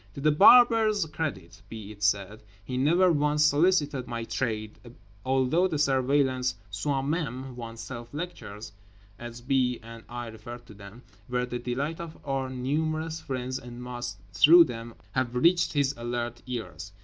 To The Barber's credit be it said: he never once solicited my trade, although the Surveillant's "Soi même" (oneself) lectures (as B. and I referred to them) were the delight of our numerous friends and must, through them, have reached his alert ears.